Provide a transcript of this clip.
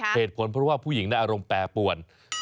เพราะว่าผู้หญิงได้อารมณ์แปรป่วน